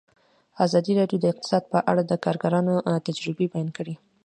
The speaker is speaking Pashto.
ازادي راډیو د اقتصاد په اړه د کارګرانو تجربې بیان کړي.